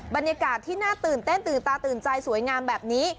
บรรยากาศที่น่าตื่นเต้นตื่นตาตื่นใจสวยงามแบบนี้